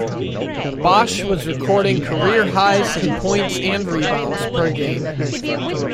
Bosh was recording career-highs in points and rebounds per game.